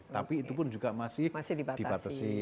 tapi itu pun juga masih dibatasi